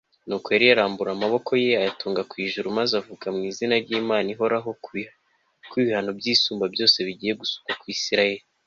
Nuko Eliya arambura amaboko ye ayatunga ku ijuru maze avuga mu izina ryImana ihoraho ko ibihano byIsumbabyose bigiye gusukwa kuri Isirayeli